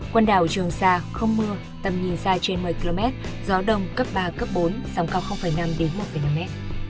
quần đảo trường sa không mưa tầm nhìn xa trên một mươi km gió đông cấp ba cấp bốn sóng cao năm một năm m